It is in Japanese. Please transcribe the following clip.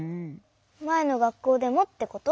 まえのがっこうでもってこと？